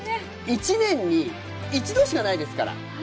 １年に一度しかないですから。